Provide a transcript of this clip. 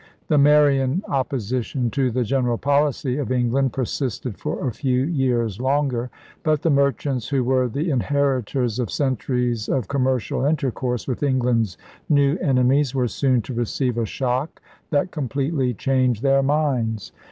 The Marian opposition to the general policy of England persisted for a few years longer. But the merchants who were the inheritors of centuries of commercial intercourse with England's new enemies were soon to receive a shock that completely changed their minds.